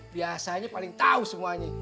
biasanya paling tau semuanya